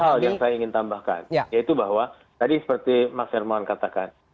hal yang saya ingin tambahkan yaitu bahwa tadi seperti mas hermawan katakan